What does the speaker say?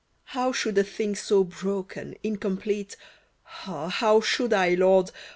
How should a thing so broken, incomplete — Ah, how should I, Lord